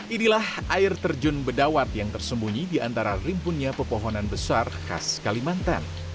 inilah air terjun bedawat yang tersembunyi di antara rimpunnya pepohonan besar khas kalimantan